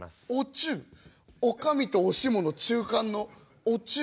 女将とお下の中間のお中？